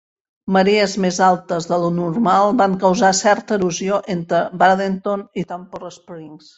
Marees més altes de lo normal van causar certa erosió entre Bradenton i Tarpon Springs.